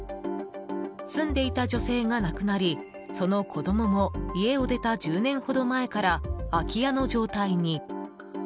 住んでいた女性が亡くなりその子供も家を出た１０年ほど前から空き家の状態に。